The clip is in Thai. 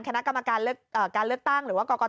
คณะกรรมการการเลือกตั้งหรือว่ากรก